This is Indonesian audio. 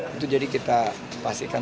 itu jadi kita pastikan